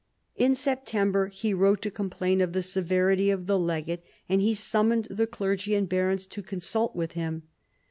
In September he wrote to complain of the severity of the legate, and he summoned the clergy and barons to consult with him.